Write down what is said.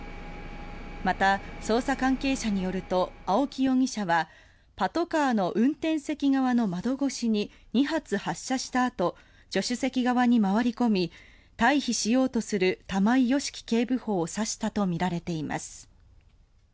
また、捜査関係者によると青木容疑者はパトカーの運転席側の窓越しに２発発射したあと助手席側に回り込み退避しようとする玉井良樹警部補を刺したとみられています。